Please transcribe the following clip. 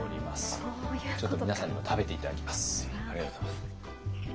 ちょっと皆さんにも食べて頂きます。